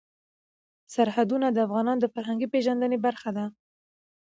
سرحدونه د افغانانو د فرهنګي پیژندنې برخه ده.